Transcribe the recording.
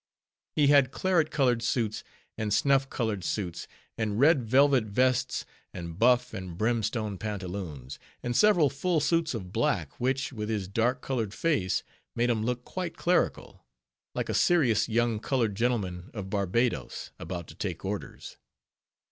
He had claret colored suits, and snuff colored suits, and red velvet vests, and buff and brimstone pantaloons, and several full suits of black, which, with his dark colored face, made him look quite clerical; like a serious young colored gentleman of Barbados, about to take orders.